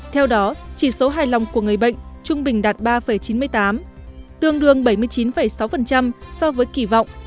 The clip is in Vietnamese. theo đó chỉ số hài lòng của người bệnh trung bình đạt ba chín mươi tám tương đương bảy mươi chín sáu so với kỳ vọng